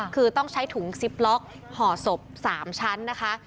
คือต้องใช้ถุงซิปล็อกห่อศพ๓ชั้นนะคะ